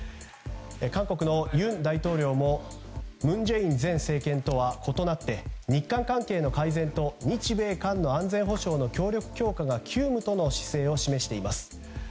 韓国の尹大統領も文在寅前政権とは異なって日韓関係の改善と日米韓の安全強化が急務との姿勢を示しています。